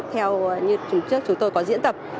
theo như trước chúng tôi có diễn tập